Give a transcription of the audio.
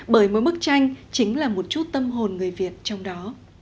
bởi mỗi bức tranh chính là một chút tâm hồn người việt trong đó